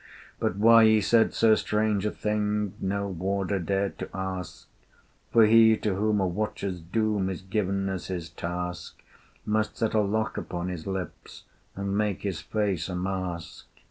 But why he said so strange a thing No Warder dared to ask: For he to whom a watcher's doom Is given as his task, Must set a lock upon his lips, And make his face a mask.